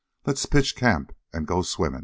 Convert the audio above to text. Let's pitch camp and go swimmin'."